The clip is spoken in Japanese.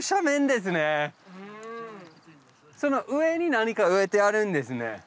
その上に何か植えてあるんですね。